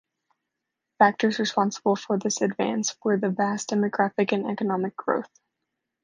Factors responsible for this advance were the vast demographic and economic growth.